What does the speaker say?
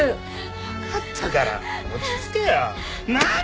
わかったから落ち着けよ。なあ！？